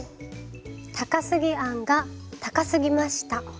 「高過庵」が高すぎました。